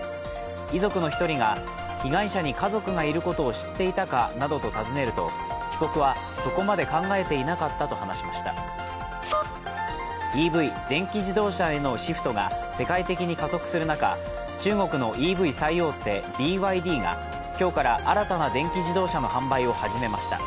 遺族の１人が、被害者に家族がいることを知っていたかなどと尋ねると、被告はそこまで考えていなかったと話しましたＥＶ＝電気自動車へのシフトが世界的に加速する中中国のＥＶ最大手、ＢＹＤが今日から新たな電気自動車の販売を始めました。